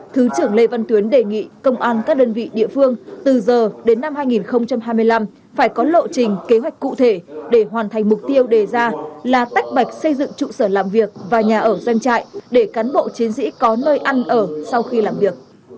thứ trưởng lê văn tuyến đề nghị công an các đơn vị địa phương từ giờ đến năm hai nghìn hai mươi năm phải có lộ trình kế hoạch cụ thể để hoàn thành mục tiêu đề ra là tách bạch xây dựng trụ sở làm việc và nhà ở doanh trại để cán bộ chiến sĩ có nơi ăn ở sau khi làm việc